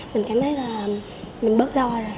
mình cảm thấy là mình bớt lo rồi